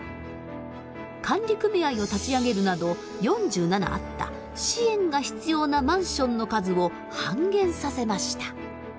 管理組合を立ち上げるなど４７あった支援が必要なマンションの数を半減させました。